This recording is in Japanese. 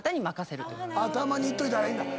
たまに行っといたらいいんだ。